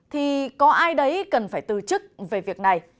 thì có ai đấy cần phải từ chức về việc này